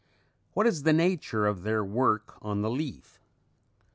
What is the nature of their work on the leaf?